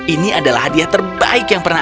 ini adalah hadiah terbaik yang pernah